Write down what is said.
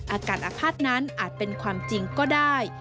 อาการอาภาษณ์นั้นอาจเป็นความจริงก็ได้